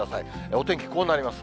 お天気こうなります。